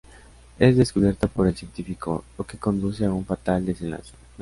Es descubierta por el científico, lo que conduce a un fatal desenlace.